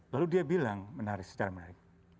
lalu dia bilang menarik secara menarik